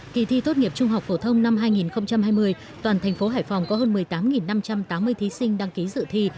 kỳ thi tốt nghiệp trung học phổ thông năm hai nghìn hai mươi toàn thành phố hải phòng có hơn một mươi tám năm trăm tám mươi thí sinh đăng ký dự thi